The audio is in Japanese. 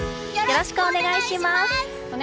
よろしくお願いします！